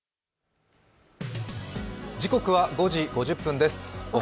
時刻は５時５０分です。